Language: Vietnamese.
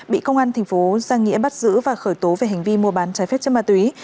bị công an thành phố giang nghĩa bắt giữ và khởi tố về hành vi mua bán trái phép chất ma túy